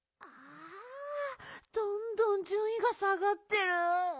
どんどんじゅんいが下がってる。